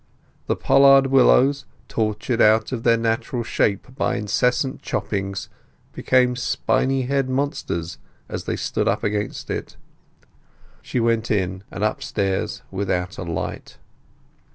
The pollard willows, tortured out of their natural shape by incessant choppings, became spiny haired monsters as they stood up against it. She went in and upstairs without a light.